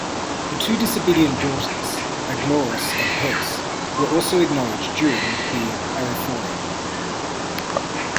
The two disobedient daughters, Aglauros and Herse, were also acknowledged during the Arrephoria.